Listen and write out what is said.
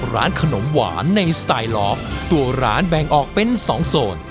ร้านขนมหวานในสไตล์ลอฟตัวร้านแบ่งออกเป็นสองโซน